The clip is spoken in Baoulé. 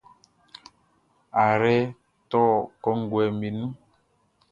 Ayrɛʼn tɔ kɔnguɛʼm be nun.